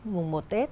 mùng một tết